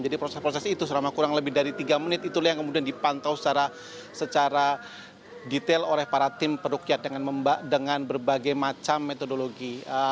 jadi proses proses itu selama kurang lebih dari tiga menit itu yang kemudian dipantau secara detail oleh para tim perukiat dengan berbagai macam metodologi